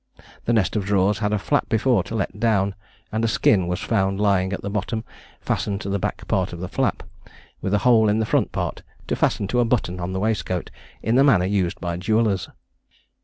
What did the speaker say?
The nest of drawers had a flap before, to let down; and a skin was found lying at the bottom, fastened to the back part of the flap, with a hole in the front part, to fasten to a button on the waistcoat, in the manner used by jewellers.